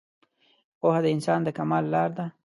پوهه د انسان د کمال لاره ده